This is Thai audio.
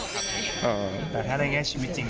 คุณพูดจัดกองนี้ดูไหม